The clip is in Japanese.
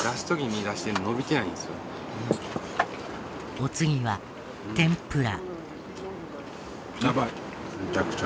お次は天ぷら。